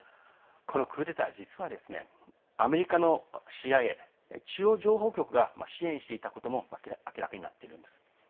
このクーデター、実はアメリカのＣＩＡ＝中央情報局が支援していたことも明らかになっています。